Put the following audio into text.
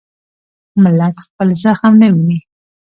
ملت خپل زخم نه ویني.